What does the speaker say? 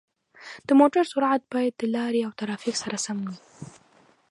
د موټر سرعت باید د لارې او ترافیک سره سم وي.